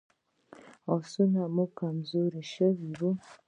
آسونه مو کمزوري شوي وو.